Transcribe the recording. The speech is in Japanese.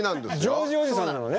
ジョージおじさんなのね？